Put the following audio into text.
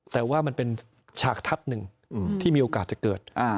แต่ว่ามันเป็นฉากทัศน์หนึ่งที่มีโอกาสจะเกิด